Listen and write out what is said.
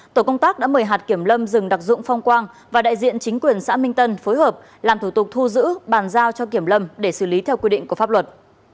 tổ công tác đã mời hạt kiểm lâm rừng đặc dụng phong quang và đại diện chính quyền xã minh tân phối hợp làm thủ tục thu giữ bàn giao cho kiểm lâm để xử lý theo quy định của pháp luật